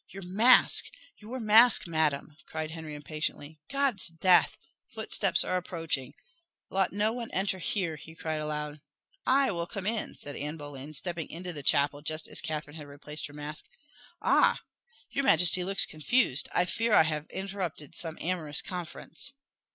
"Your mask your mask, madam!" cried Henry impatiently. "God's death! footsteps are approaching. Lot no one enter here!" he cried aloud. "I will come in," said Anne Boleyn, stepping into the chapel just as Catherine had replaced her mask. "Ah! your majesty looks confused. I fear I have interrupted some amorous conference."